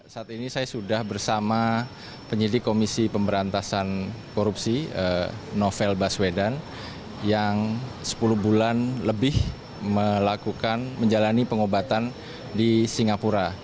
saat ini saya sudah bersama penyidik komisi pemberantasan korupsi novel baswedan yang sepuluh bulan lebih melakukan menjalani pengobatan di singapura